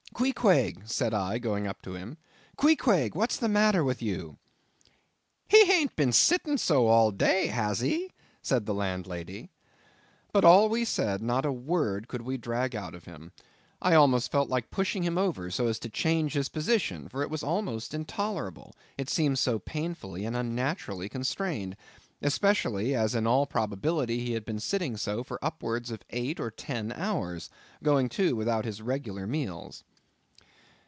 "Queequeg," said I, going up to him, "Queequeg, what's the matter with you?" "He hain't been a sittin' so all day, has he?" said the landlady. But all we said, not a word could we drag out of him; I almost felt like pushing him over, so as to change his position, for it was almost intolerable, it seemed so painfully and unnaturally constrained; especially, as in all probability he had been sitting so for upwards of eight or ten hours, going too without his regular meals.